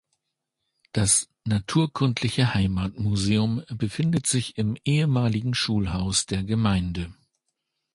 Das Naturkundliche Heimatmuseum befindet sich im ehemaligen Schulhaus der Gemeinde.